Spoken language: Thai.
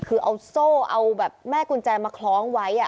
คือเอาโซ่เอาแบบแม่กุญแจมาคล้องไว้